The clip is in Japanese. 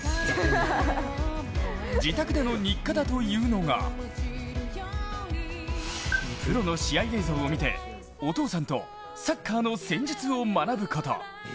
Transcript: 自宅での日課だというのがプロの試合映像を見て、お父さんとサッカーの戦術を学ぶこと。